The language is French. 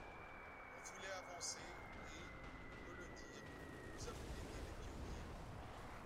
On voulait avancer, et, on peut le dire, nous avons été les pionniers.